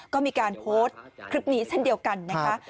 ก็มีการโพสต์คลิปนี้เช่นเดียวกันนะคะ